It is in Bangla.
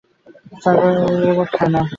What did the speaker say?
ছাগল রিমোট খায় না।